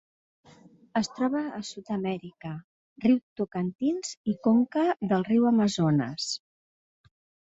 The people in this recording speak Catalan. Es troba a Sud-amèrica: riu Tocantins i conca del riu Amazones.